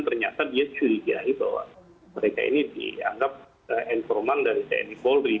ternyata dia curigai bahwa mereka ini dianggap informan dari tnpbopm